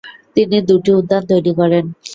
তিনি দুটি উদ্যান তৈরি করেন।